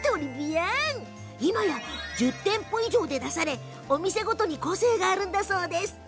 今や、１０店舗以上で出されお店ごとに個性があるそうです。